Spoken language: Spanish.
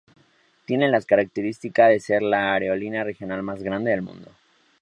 Tiene la característica de ser la aerolínea regional más grande del mundo.